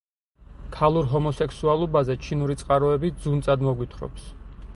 ქალურ ჰომოსექსუალობაზე ჩინური წყაროები ძუნწად მოგვითხრობს.